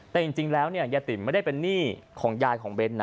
แต่จริงแล้วเนี่ยยายติ๋มไม่ได้เป็นหนี้ของยายของเบ้นนะ